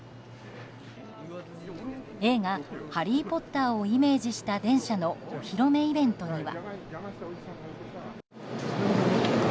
映画「ハリー・ポッター」をイメージした電車のお披露目イベントには。